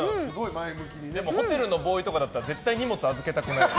ホテルのボーイとかだったら絶対に荷物預けたくないです。